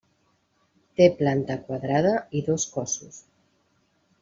Té planta quadrada i dos cossos.